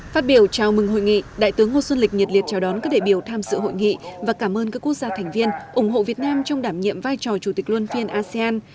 phát biểu chào mừng hội nghị đại tướng ngô xuân lịch nhiệt liệt chào đón các đại biểu tham dự hội nghị và cảm ơn các quốc gia thành viên ủng hộ việt nam trong đảm nhiệm vai trò chủ tịch luân phiên asean